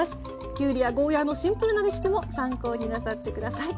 きゅうりやゴーヤのシンプルなレシピも参考になさって下さい。